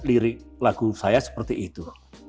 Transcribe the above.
lirik lagu saya seperti itu